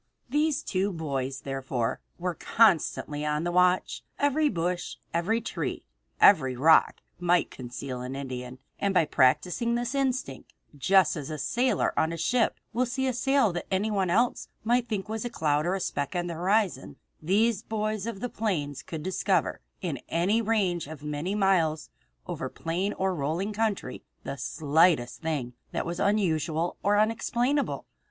These two boys, therefore, were constantly on the watch. Every bush, every tree, every rock, might conceal an Indian, and by practicing this instinct, just as a sailor on a ship will see a sail that anyone else might think was a cloud or a speck on the horizon, these boys of the plains could discover, in a range of many miles over plain or rolling country, the slightest thing that was unusual or unexplainable.